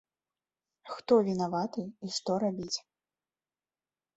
Хто вінаваты і што рабіць?